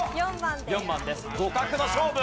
互角の勝負！